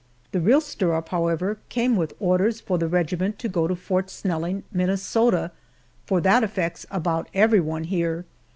The real stir up, however, came with orders for the regiment to go to Fort Snelling, Minnesota, for that affects about everyone here.